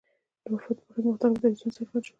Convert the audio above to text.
د وفات په ورځ مختلف دریځونه څرګند شول.